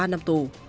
ba năm tù